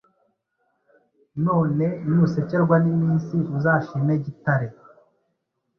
None nusekerwa n' iminsi uzashime gitare